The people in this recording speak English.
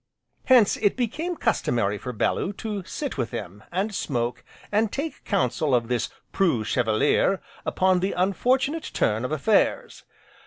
Hence, it became customary for Bellew to sit with him, and smoke, and take counsel of this "preux chevalier" upon the unfortunate turn of affairs.